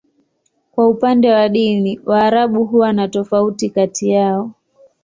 Kwa upande wa dini, Waarabu huwa na tofauti kati yao.